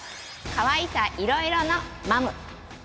かわいさいろいろのマム！